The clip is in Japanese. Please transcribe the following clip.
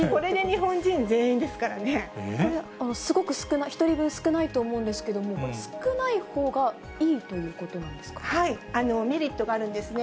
そうですよね、すごく、１人分少ないと思うんですけども、少ないほうがいいということなんメリットがあるんですね。